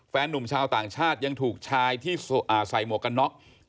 หนุ่มชาวต่างชาติยังถูกชายที่ใส่หมวกกันน็อก